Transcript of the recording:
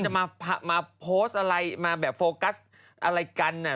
เขาจะมาโพสต์อะไรมาเฟิลกัซอะไรกันน่ะ